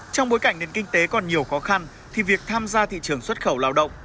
trong bối cảnh nền kinh tế còn nhiều khó khăn thì việc tham gia thị trường xuất khẩu lao động